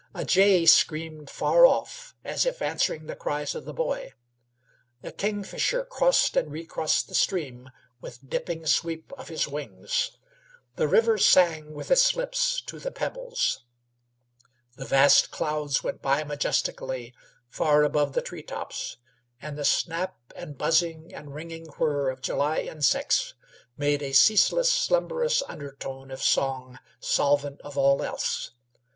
A jay screamed far off, as if answering the cries of the boy. A kingfisher crossed and recrossed the stream with dipping sweep of his wings. The river sang with its lips to the pebbles. The vast clouds went by majestically, far above the tree tops, and the snap and buzzing and ringing whir of July insects made a ceaseless, slumberous undertone of song solvent of all else.